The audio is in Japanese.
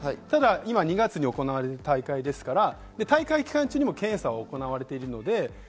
ただ、今、２月に行われる大会ですから大会期間中にも検査は行われています。